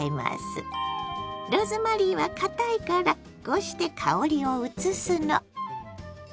ローズマリーはかたいからこうして香りをうつすの。